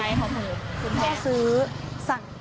คุณพ่อซื้อสั่ง